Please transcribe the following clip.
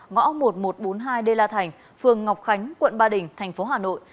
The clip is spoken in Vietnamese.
ngõ một nghìn một trăm bốn mươi hai đê la thành phường ngọc khánh quận ba đình thành phố hà nội